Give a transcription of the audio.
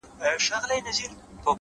o چي ياد پاته وي، ياد د نازولي زمانې،